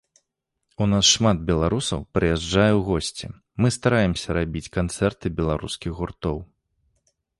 У нас шмат беларусаў прыязджае ў госці, мы стараемся рабіць канцэрты беларускіх гуртоў.